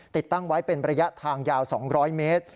ติดตั้งไว้เป็นระยะทางยาว๒๐๐เมตร